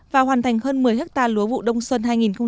và hoàn thành hơn một mươi ha lúa vụ đông xuân hai nghìn một mươi bảy